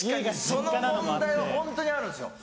その問題はホントにあるんですよ。